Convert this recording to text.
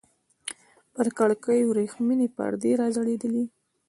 پر کړکيو ورېښمينې پردې راځړېدلې.